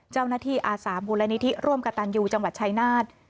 เจ้าหน้าที่อาสาบุญและนิธิร่วมกับตานยูจังหวัดชัยนาศ